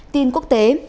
tin quốc tế